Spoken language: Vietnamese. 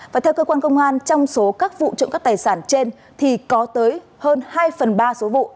và theo cơ quan công an trong số các vụ trộm cắp tài sản trên thì có tới hơn hai phần ba số vụ